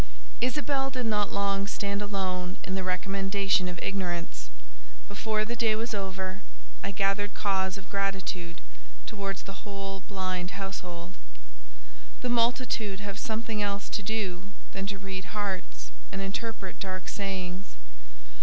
Isabelle did not long stand alone in the recommendation of ignorance: before the day was over, I gathered cause of gratitude towards the whole blind household. The multitude have something else to do than to read hearts and interpret dark sayings.